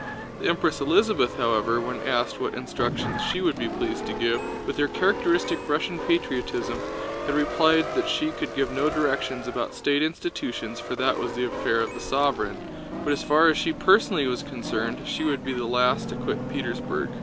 The Empress Elisabeth, however, when asked what instructions she would be pleased to give—with her characteristic Russian patriotism had replied that she could give no directions about state institutions for that was the affair of the sovereign, but as far as she personally was concerned she would be the last to quit Petersburg.